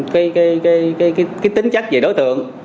cái tính chắc về đối tượng